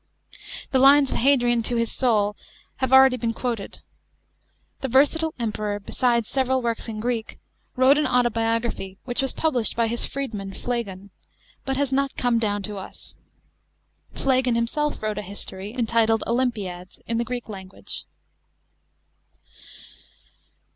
The lines of Hadrian to his soul have already been quoted. Tl>e versatile Emperor, besides several works in Greek, wrote an auto biography, which was published by his freed man PHLEGON, but lias not come down to us. Phlegon himself wrote a history, entitled Olympiads, in the Greek language.